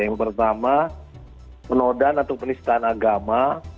yang pertama penodaan atau penistaan agama